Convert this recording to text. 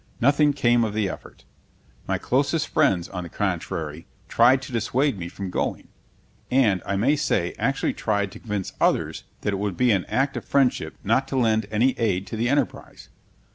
Nothing came of the effort. My closest friends, on the contrary, tried to dissuade me from going; and, I may say, actually tried to convince others that it would be an act of friendship not to lend any aid to the enterprise.